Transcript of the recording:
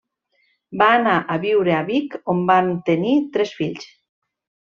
Van anar a viure a Vic, on van tenir tres fills: